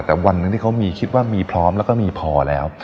แต่วันหนึ่งที่เขามีคิดว่ามีพร้อมแล้วก็มีพอแล้ว